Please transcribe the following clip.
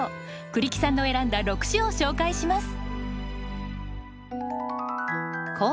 栗木さんの選んだ６首を紹介します。